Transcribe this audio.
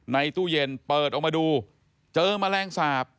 ตู้เย็นเปิดออกมาดูเจอแมลงสาป